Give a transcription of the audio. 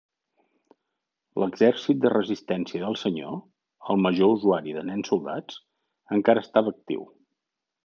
L'Exèrcit de Resistència del Senyor, el major usuari de nens soldats, encara estava actiu.